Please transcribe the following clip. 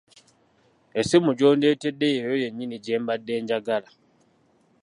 Essimu gy'ondeetedde yeyo yennyini gye mbadde njagala.